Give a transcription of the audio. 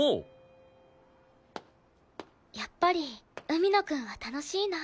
やっぱり海野くんは楽しいな。